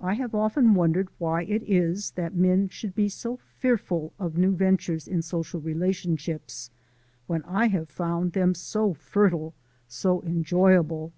I have often wondered why it is that men should be so fearful of new ventures in social relationships, when I have found them so fertile, so enjoyable.